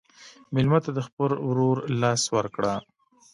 مېلمه ته د خپل ورور لاس ورکړه.